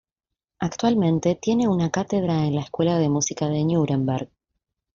Actualmente tiene una cátedra en la Escuela de Música de Núremberg.